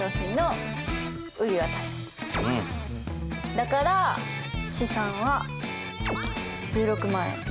だから資産は１６万円減少。